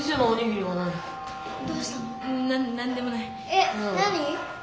えっ何？